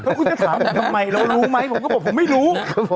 คุณจะถามทำไมเรารู้ไหมผมก็บอกผมไม่รู้